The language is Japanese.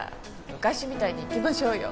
昔みたいにいきましょうよ。